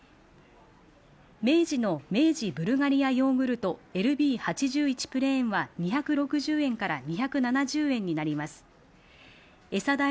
明治の「明治ブルガリアヨーグルトＬＢ８１プレーン」は２６０円から２７０円になります。